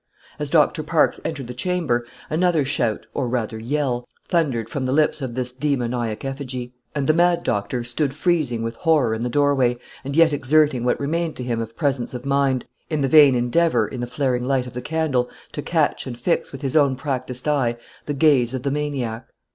As Doctor Parkes entered the chamber, another shout, or rather yell, thundered from the lips of this demoniac effigy; and the mad doctor stood freezing with horror in the doorway, and yet exerting what remained to him of presence of mind, in the vain endeavor, in the flaring light of the candle, to catch and fix with his own practiced eye the gaze of the maniac.